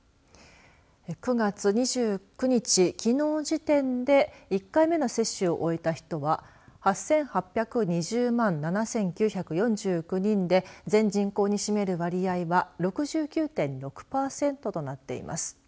９月２９日、きのう時点で１回目の接種を終えた人は８８２０万７９４９人で全人口に占める割合は６９．６パーセントとなっています。